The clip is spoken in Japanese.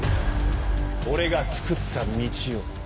俺がつくった道を。